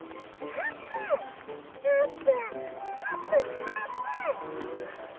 あーぷんあーぷんあーぷん！」。